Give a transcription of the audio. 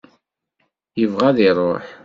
Yebɣa ad iruḥ.